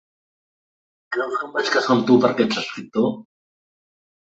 Creus que em vaig casar amb tu perquè ets escriptor?